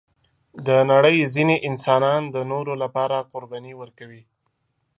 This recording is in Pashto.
د نړۍ ځینې انسانان د نورو لپاره قرباني ورکوي.